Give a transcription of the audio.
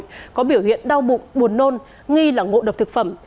có biểu hiện đau bụng buồn nôn nghi là ngộ độc thực phẩm